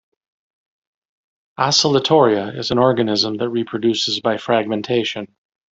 "Oscillatoria" is an organism that reproduces by fragmentation.